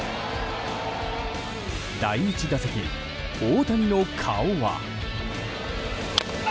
第１打席、大谷の顔は。